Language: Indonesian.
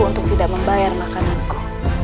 untuk tidak membayar makananku